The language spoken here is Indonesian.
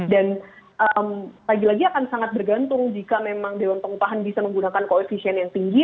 dan lagi lagi akan sangat bergantung jika memang dewan pengupahan bisa menggunakan koefisien yang tinggi